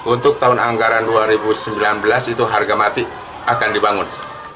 untuk tahun anggaran dua ribu sembilan belas itu harga mati akan dibangun